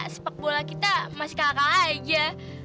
sepak bola kita masih kakak aja